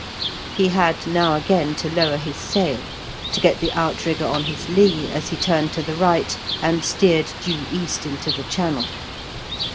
He had now again to lower his sail, to get the outrigger on his lee as he turned to the right and steered due east into the channel.